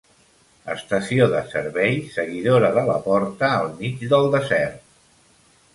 Estació de servei seguidora de Laporta al mig del desert.